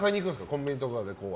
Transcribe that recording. コンビニとかで。